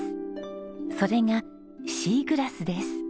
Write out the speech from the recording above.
それがシーグラスです。